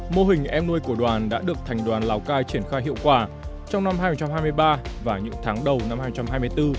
mô hình em nuôi của đoàn đã được thành đoàn lào cai triển khai hiệu quả trong năm hai nghìn hai mươi ba và những tháng đầu năm hai nghìn hai mươi bốn